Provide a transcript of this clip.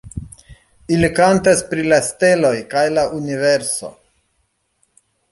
Ili kantas pri la steloj kaj la universo.